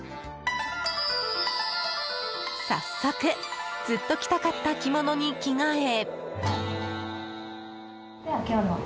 早速、ずっと着たかった着物に着替え。